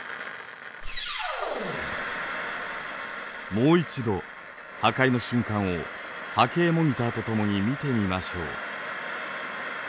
もう一度破壊の瞬間を波形モニターとともに見てみましょう。